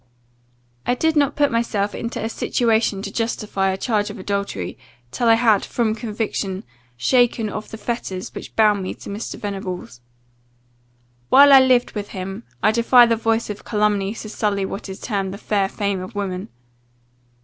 "I did not put myself into a situation to justify a charge of adultery, till I had, from conviction, shaken off the fetters which bound me to Mr. Venables. While I lived with him, I defy the voice of calumny to sully what is termed the fair fame of woman.